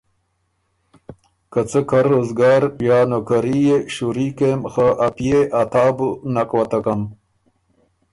که څه کر روزګار یا نوکَري يې شُوري کېم خه ا پئے ا تا بو نک وتکم